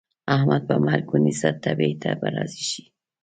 احمد په مرګ ونيسه؛ تبې ته به راضي شي.